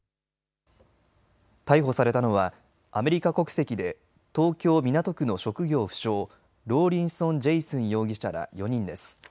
逮捕されたのはアメリカ国籍で東京港区の職業不詳、ローリンソンジェイスン容疑者ら４人です。